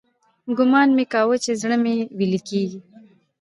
ګومان مې کاوه چې زړه مې ويلېږي.